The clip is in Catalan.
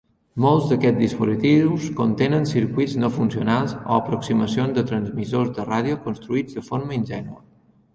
Molts d"aquests dispositius contenen circuits no funcionals o aproximacions de transmissors de ràdio construïts de forma ingènua.